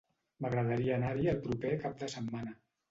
M'agradaria anar-hi el proper cap de setmana.